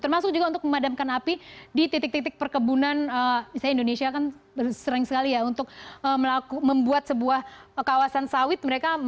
termasuk juga untuk memadamkan api di titik titik perkebunan misalnya indonesia kan sering sekali ya untuk membuat sebuah kawasan sawit